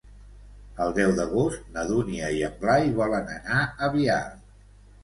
El deu d'agost na Dúnia i en Blai volen anar a Biar.